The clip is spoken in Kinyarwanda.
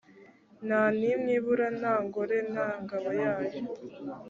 nta n’imwe ibura nta ngore nta ngabo yayo